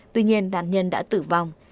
tuy nhiên nạn nhân đã tử vong